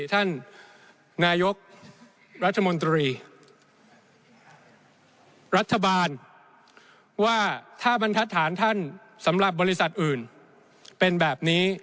ท่านนายกรัฐมนตรีรัฐบาลว่าถ้าบรรทัศน์ท่านสำหรับบริษัทอื่นเป็นแบบนี้